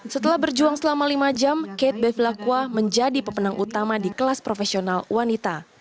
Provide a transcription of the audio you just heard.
setelah berjuang selama lima jam kate bevillaqua menjadi pemenang utama di kelas profesional wanita